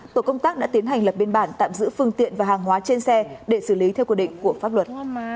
tổ công tác đã tiến hành lập biên bản tạm giữ phương tiện và hàng hóa trên xe để xử lý theo quy định của pháp luật